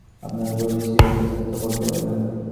আপনার উপর বেশি অত্যাচার তো করতে পারি না।